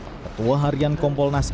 ketua harian kompolnas